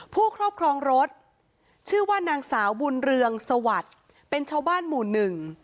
ครอบครองรถชื่อว่านางสาวบุญเรืองสวัสดิ์เป็นชาวบ้านหมู่หนึ่ง